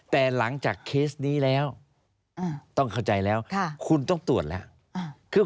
แต่หลังจากเคสนี้แล้วต้องเข้าใจแล้วคุณต้องตรวจแล้ว